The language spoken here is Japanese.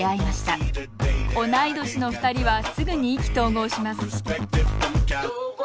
同い年の２人はすぐに意気投合します